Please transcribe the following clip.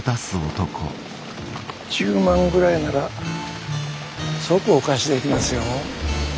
１０万ぐらいなら即お貸しできますよ。